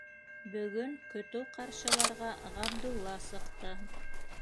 Бөгөн көтөү ҡаршыларға Ғабдулла сыҡты.